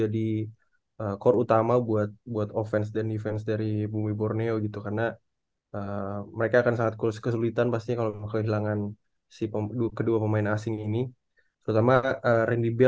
dia monster sih di paint area